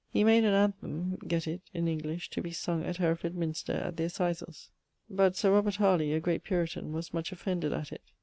He made an antheme (gett it) in English to be sung at Hereford Minster at the assizes; but Sir Robert Harley (a great Puritan) was much offended at it.